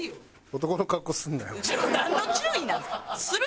男の格好するなよ。